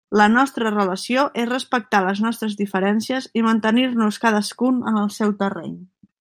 La nostra relació és respectar les nostres diferències i mantenir-nos cadascun en el seu terreny.